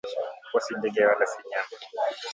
Popo si ndege wala si nyama